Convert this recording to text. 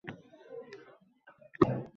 Lekin Microsoft Excel emas.